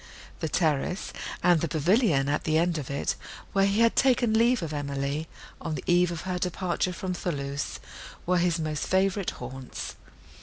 The terrace, and the pavilion at the end of it, where he had taken leave of Emily, on the eve of her departure from Thoulouse, were his most favourite haunts.